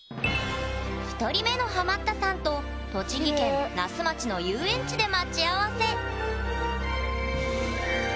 １人目のハマったさんと栃木県那須町の遊園地で待ち合わせ！